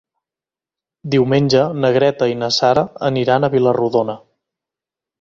Diumenge na Greta i na Sara aniran a Vila-rodona.